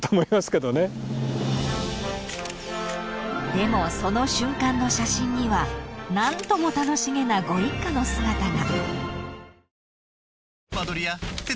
［でもその瞬間の写真には何とも楽しげなご一家の姿が］